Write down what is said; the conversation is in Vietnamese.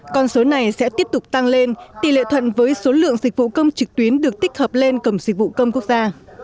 còn số này sẽ tiếp tục tăng lên tỷ lệ thuận với số lượng dịch vụ công trực tuyến được tích hợp lên cổng dịch vụ công quốc gia